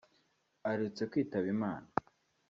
aherutse kwitaba Imana